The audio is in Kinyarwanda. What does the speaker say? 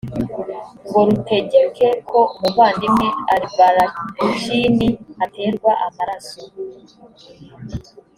ngo rutegeke ko umuvandimwe albarracini aterwa amaraso